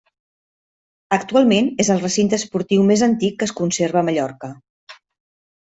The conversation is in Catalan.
Actualment és el recinte esportiu més antic que es conserva a Mallorca.